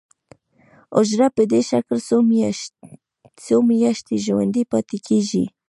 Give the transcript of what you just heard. حجره په دې شکل څو میاشتې ژوندی پاتې کیږي.